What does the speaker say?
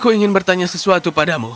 aku ingin bertanya sesuatu padamu